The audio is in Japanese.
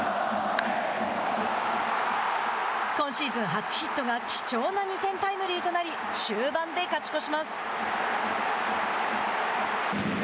今シーズン初ヒットが貴重な２点タイムリーとなり終盤で勝ち越します。